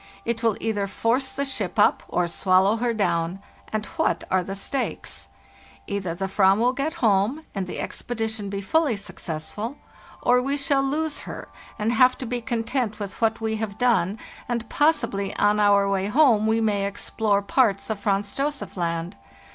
It will either force the ship up or swallow her down. And what are the stakes? Either the /vam will get home and the expedition be fully successful, or we shall lose her and have to be con tent with what we have done, and possibly on our way home we may explore parts of Franz Josef Land.